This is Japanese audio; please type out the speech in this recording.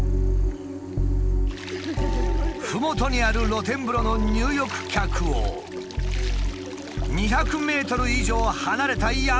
ふもとにある露天風呂の入浴客を２００ｍ以上離れた山の上から。